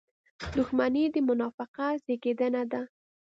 • دښمني د منافقت زېږنده ده.